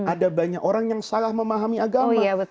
ada banyak orang yang salah memahami agama